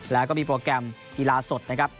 แล้วก็มีโปรแกรมกีฬาสดนะครับ